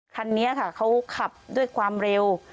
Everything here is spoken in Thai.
คันนี้ค่ะเขาขับด้วยความเร็ว